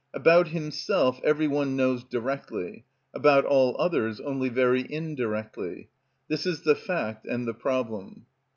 About himself every one knows directly, about all others only very indirectly. This is the fact and the problem.